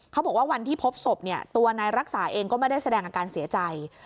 เขาบอกว่าวันที่พบศพเนี่ยตัวนายรักษาเองก็ไม่ได้แสดงอาการเสียใจ